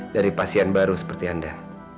dari pasien baru seperti anda